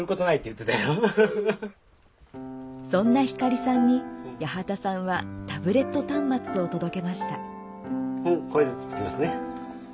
そんな光さんに八幡さんはタブレット端末を届けました。